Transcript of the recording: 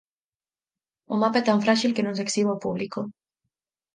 O mapa é tan fráxil que non se exhibe ao público.